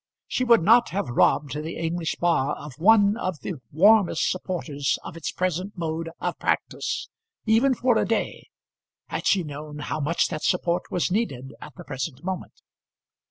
She would not have robbed the English bar of one of the warmest supporters of its present mode of practice, even for a day, had she known how much that support was needed at the present moment.